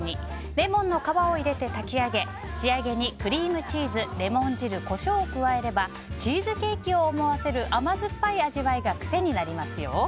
レモンの皮を入れて炊き上げ仕上げにクリームチーズレモン汁、コショウを加えればチーズケーキを思わせる甘酸っぱい味わいが癖になりますよ。